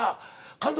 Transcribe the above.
監督